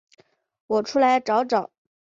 我出来找找